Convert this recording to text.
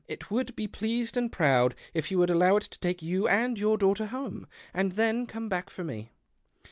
It would be pleased and proud if you would allow it to take you and your daughter home, and then come ])ack for me."